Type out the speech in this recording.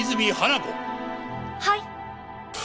「はい」。